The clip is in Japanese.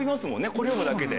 これ読むだけで。